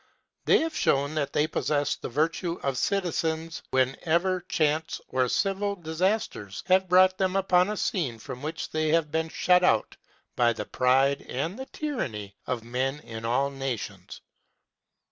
They have shown that they possess the virtues of citizens whenever chance or civil disasters have brought them upon a scene from which they have been shut out by the pride and the tyranny of men in all nations.